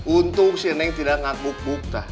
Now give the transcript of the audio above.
untung si neng tidak ngak buk buk teh